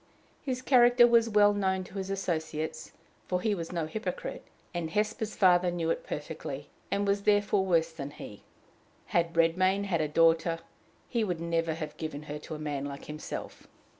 His character was well known to his associates, for he was no hypocrite, and Hosper's father knew it perfectly, and was therefore worse than he. Had Redmain had a daughter, he would never have given her to a man like himself.